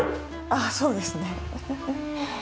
あっそうですね。